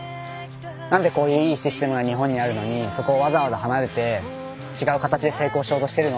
なんでこういういいシステムが日本にあるのにそこをわざわざ離れて違う形で成功しようとしてるの？